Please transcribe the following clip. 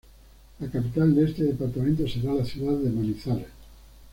La capital de este departamento será la ciudad de Manizales.